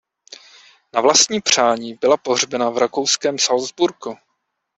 Na vlastní přání byla pohřbena v rakouském Salzburgu.